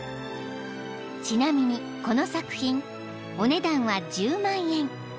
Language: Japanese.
［ちなみにこの作品お値段は１０万円］